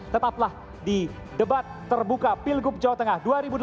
tetaplah di debat terbuka pilgub jawa tengah dua ribu delapan belas